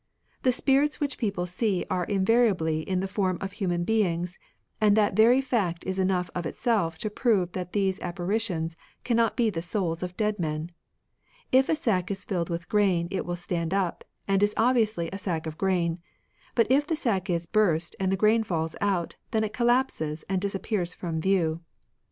The spirits which people see are invari ably in the form of human beings, and that very fact is enough of itself to prove that these appari tions cannot be the souls of dead men. If a sack is filled with grain, it will stand up, and is obviously a sack of grain ; but if the sack is burst and the grain falls out, then it collapses and dis appears from view.